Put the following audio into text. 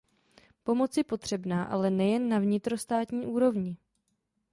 Pomoc je potřebná, ale nejen na vnitrostátní úrovni.